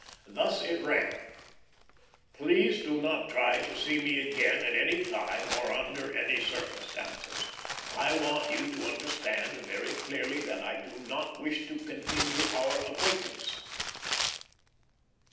Thus it ran: "Please do not try to see me again at any time or under any circumstances. I want you to understand, very clearly, that I do not wish to continue our acquaintance."